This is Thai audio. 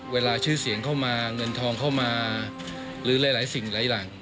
เวลาชื่อเสียงเข้ามาเงินทองเข้ามาหรือหลายสิ่งหลายหลัง